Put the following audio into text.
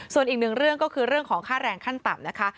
ส่วนอีกหนึ่งเรื่องก็คือเรื่องของค่าแรงขั้นต่ำนะคะ